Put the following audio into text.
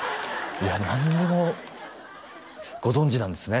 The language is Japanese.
いや何でもご存じなんですね